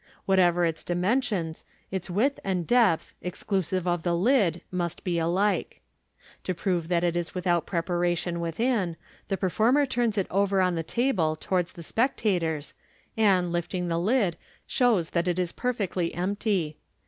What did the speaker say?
Whatever its dimensions, its width and depth, exclusive of the lid, must be alike. To prove that it is with out preparation within, the performer turns it over on the table towards the spectators, and, lifting the lid, shows that it is perfectly empty.